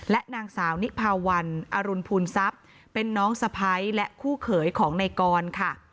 และนางสาวนิพาวันอรุณภูลทรัพย์เป็นน้องสะพ้ายและคู่เขยของในกรค่ะ